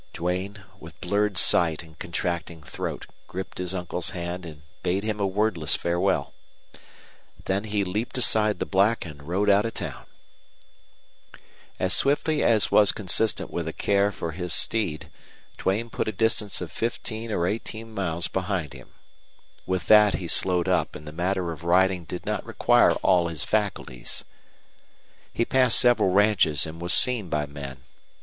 Duane, with blurred sight and contracting throat, gripped his uncle's hand and bade him a wordless farewell. Then he leaped astride the black and rode out of town. As swiftly as was consistent with a care for his steed, Duane put a distance of fifteen or eighteen miles behind him. With that he slowed up, and the matter of riding did not require all his faculties. He passed several ranches and was seen by men.